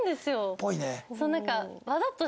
っぽいね。